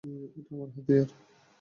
এটা আমার হাতিয়ার!